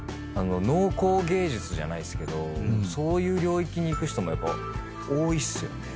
農耕芸術じゃないですけどそういう領域にいく人もやっぱ多いっすよね。